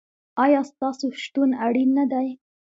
ایا ستاسو شتون اړین نه دی؟